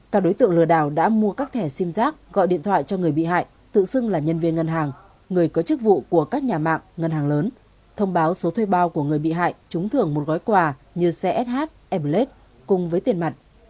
các đối tượng lừa đảo đã mua các thẻ sim giác gọi điện thoại cho người bị hại tự xưng là nhân viên ngân hàng người có chức vụ của các nhà mạng ngân hàng lớn thông báo số thuê bao của người bị hại trúng thưởng một gói quà như xe sh emlet cùng với tiền mặt